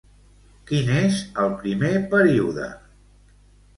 Quin és el primer període?